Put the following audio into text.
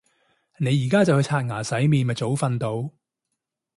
你而家就去刷牙洗面咪早瞓到